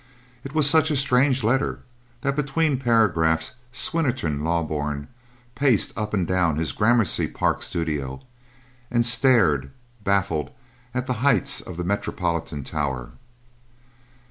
It was such a strange letter that between paragraphs Swinnerton Loughburne paced up and down his Gramercy Park studio and stared, baffled, at the heights of the Metropolitan Tower.